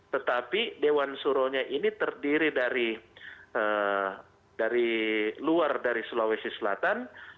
tetapi dewan suronya ini terdiri dari luar dari sulawesi selatan